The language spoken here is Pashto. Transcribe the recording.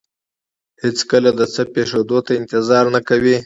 هېڅکله د څه پېښېدو ته انتظار نه کوي.